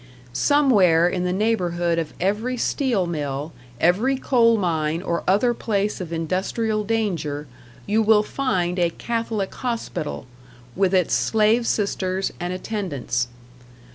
Somewhere in the neighborhood of every steel mill, every coal mine or other place of industrial danger, you will find a Catholic hospital, with its slave sisters and attendants.